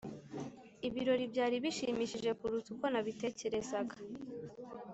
ibirori byari bishimishije kuruta uko nabitekerezaga.